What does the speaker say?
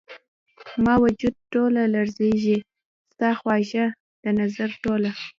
زما وجود ټوله لرزیږې ،ستا خواږه ، دنظر ټوله